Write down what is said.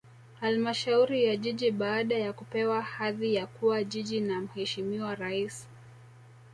Halmashauri ya Jiji baada ya kupewa hadhi ya kuwa Jiji na Mheshimiwa Rais